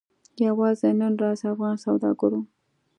یوازې نن ورځ افغان سوداګرو